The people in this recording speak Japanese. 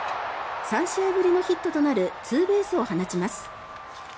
３試合ぶりのヒットとなるツーベースを放ちます。